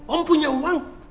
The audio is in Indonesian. om punya uang